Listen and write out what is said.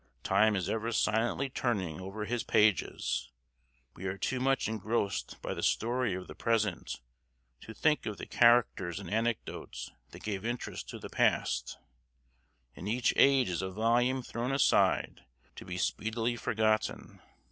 Time is ever silently turning over his pages; we are too much engrossed by the story of the present to think of the characters and anecdotes that gave interest to the past; and each age is a volume thrown aside to be speedily forgotten.